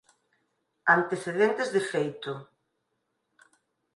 Antecedentes de feito